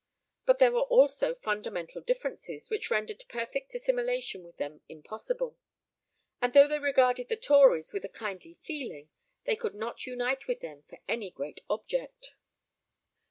But there were also fundamental differences, which rendered perfect assimilation with them impossible, and though they regarded the Tories with a kindly feeling, they could not unite with them for any great object.